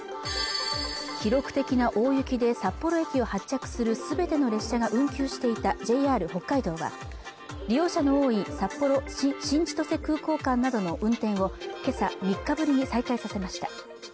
記録的な大雪で札幌駅を発着するすべての列車が運休していたＪＲ北海道は利用者の多い札幌ー新千歳空港間などの運転をけさ３日ぶりに再開させました